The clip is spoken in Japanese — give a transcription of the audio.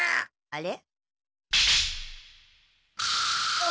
あれ？